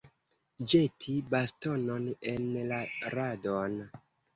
Ĵeti bastonon en la radon.